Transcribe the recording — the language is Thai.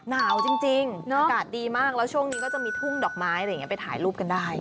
หนาวจริงอากาศดีมากแล้วช่วงนี้ก็จะมีทุ่งดอกไม้อะไรอย่างนี้ไปถ่ายรูปกันได้